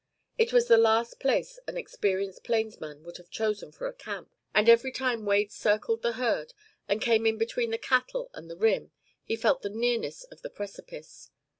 It was the last place an experienced plainsman would have chosen for a camp; and every time Wade circled the herd, and came in between the cattle and the rim, he felt the nearness of the precipice.